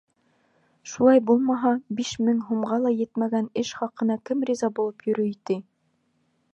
Шулай булмаһа, биш мең һумға ла етмәгән эш хаҡына кем риза булып йөрөй ти?!